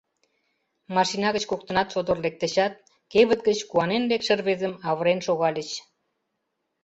Машина гыч коктынат содор лектычат, кевыт гыч куанен лекше рвезым авырен шогальыч.